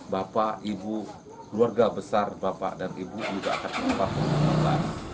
bapak ibu keluarga besar bapak dan ibu juga akan terpapak covid sembilan belas